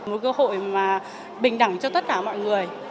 một cơ hội mà bình đẳng cho tất cả mọi người